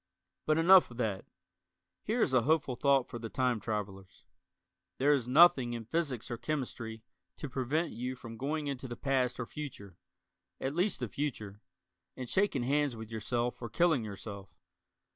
But enough of that. Here is a hopeful thought for the time travelers. There is nothing in physics or chemistry to prevent you from going into the past or future at least, the future and shaking hands with yourself or killing yourself.